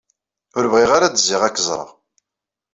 Ur bɣiɣ ara ad zziɣ ad k-ẓreɣ.